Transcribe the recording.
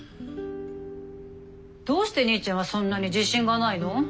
どうして兄ちゃんはそんなに自信がないの？